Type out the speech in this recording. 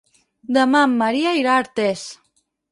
Demà en Maria irà a Artés.